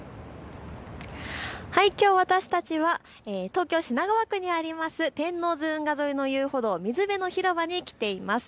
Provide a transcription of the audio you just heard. きょう私たちは東京品川区にある天王洲運河の水辺の広場に来ています。